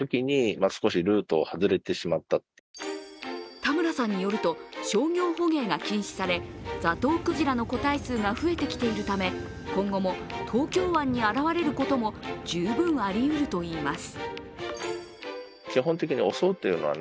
田村さんによると商業捕鯨が禁止されザトウクジラの個体数が増えてきているため今後も、東京湾に現れることも十分ありうるといいます。